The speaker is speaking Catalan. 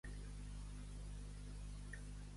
A plet bo i a plet dolent, ten per amic l'escrivent.